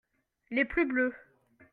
Les plus bleus.